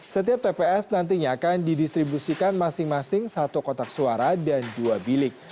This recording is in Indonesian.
setiap tps nantinya akan didistribusikan masing masing satu kotak suara dan dua bilik